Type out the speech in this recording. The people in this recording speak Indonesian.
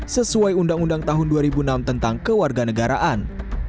sesuai undang undang tahun dua ribu enam tentang kewarganegaraan